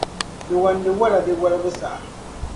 di wandi wala di walibu saha.